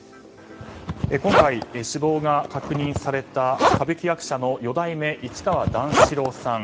今回、死亡が確認された歌舞伎役者の四代目市川段四郎さん。